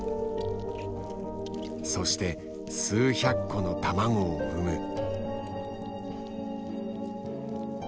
そして数百個の卵を産む。